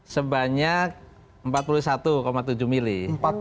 sebanyak empat puluh satu tujuh mili